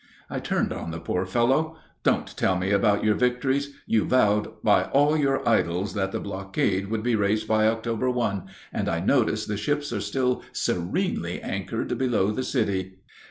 I turned on the poor fellow. "Don't tell me about your victories. You vowed by all your idols that the blockade would be raised by October 1, and I notice the ships are still serenely anchored below the city."